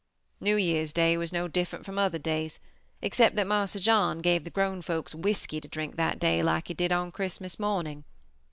"New Year's Day was no different from other days, except that Marse John gave the grown folks whiskey to drink that day like he did on Christmas morning.